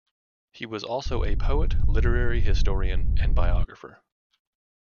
He was also a poet, literary historian and biographer.